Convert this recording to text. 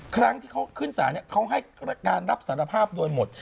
ครั้งที่เขาขึ้นศาลเขาให้การรับสารภาพโดยหมด